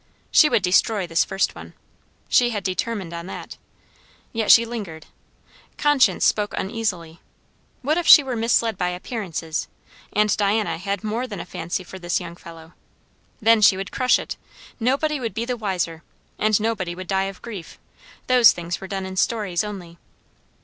She would destroy this first one. She had determined on that. Yet she lingered. Conscience spoke uneasily. What if she were misled by appearances, and Diana had more than a fancy for this young fellow? Then she would crush it! Nobody would be the wiser, and nobody would die of grief; those things were done in stories only.